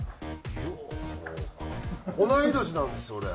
同い年なんですよ俺。